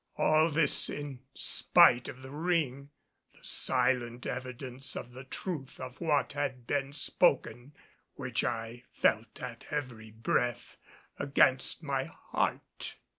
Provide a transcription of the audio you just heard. All this in spite of the ring, the silent evidence of the truth of what had been spoken, which I felt at every breath, against my heart.